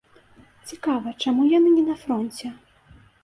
Цікава, чаму яны не на фронце?